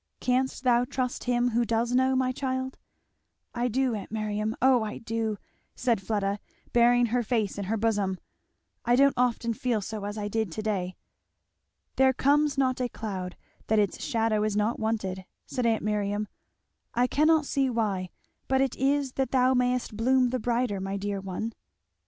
Canst thou trust him who does know, my child?" "I do, aunt Miriam, O I do," said Fleda, burying her face in her bosom; "I don't often feel so as I did to day." "There comes not a cloud that its shadow is not wanted," said aunt Miriam. "I cannot see why, but it is that thou mayest bloom the brighter, my dear one."